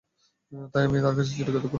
তাই আমি তাঁর কাছে চির কৃতজ্ঞ।